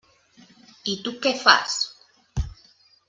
I tu què fas?